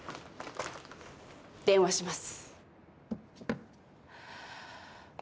電話します。